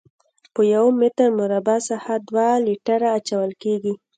په یو متر مربع ساحه دوه لیټره اچول کیږي